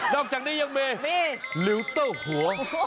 อกจากนี้ยังมีลิวเตอร์หัว